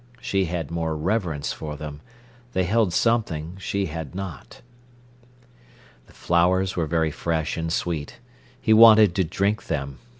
She had more reverence for them: they held something she had not. The flowers were very fresh and sweet. He wanted to drink them.